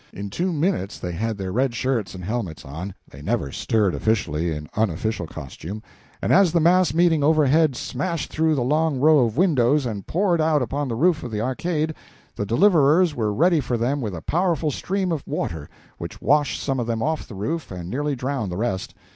In two minutes they had their red shirts and helmets on they never stirred officially in unofficial costume and as the mass meeting overhead smashed through the long row of windows and poured out upon the roof of the arcade, the deliverers were ready for them with a powerful stream of water which washed some of them off the roof and nearly drowned the rest.